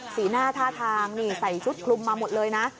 สีหน้าท่าทางนี่ใส่ชุดคลุมมาหมดเลยนะ